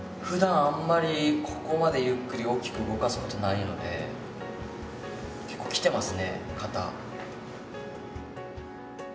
ふだんあんまりここまでゆっくり大きく動かすことないので結構きてますね肩。